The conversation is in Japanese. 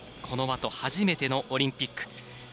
このあとはじめてのオリンピック。